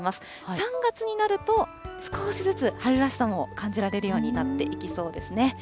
３月になると、少しずつ春らしさも感じられるようになってきそうですね。